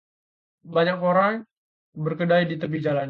banyak orang berkedai di tepi jalan